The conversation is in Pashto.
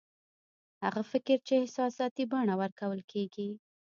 هغه فکر چې احساساتي بڼه ورکول کېږي